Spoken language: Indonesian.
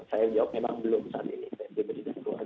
saya jawab memang belum saat ini